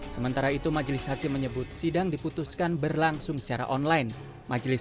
sementara itu majelis hakim menyebut sidang diputuskan berlangsung secara online majelis